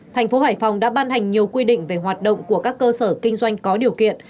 thành phố hải phòng đã ban hành nhiều quy định về hoạt động của các cơ sở kinh doanh có điều kiện